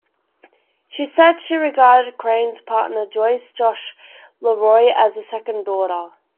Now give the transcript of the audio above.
She said she regarded Crane's partner, Joyce "Josh" LeRoy, "as a second daughter".